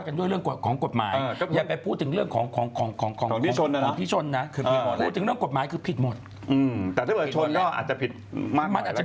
เนี่ยสองคนเป็นบุคคลที่มนุษยธรรมเยอะอะไร